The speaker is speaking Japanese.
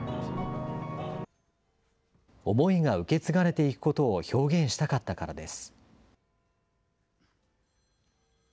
思いが受け継がれていくことを表現したかったからです。